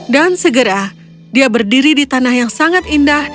dan segera dia berdiri di tanah yang sangat indah